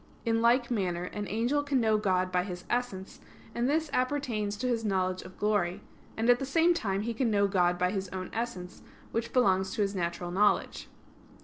In like manner, an angel can know God by His essence, and this appertains to his knowledge of glory; and at the same time he can know God by his own essence, which belongs to his natural knowledge.